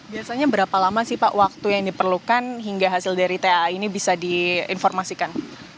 biasanya berapa lama sih pak waktu yang diperlukan hingga hasil dari tai ini bisa diinformasikan